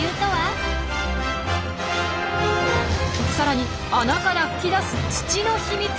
さらに穴から噴き出す土の秘密！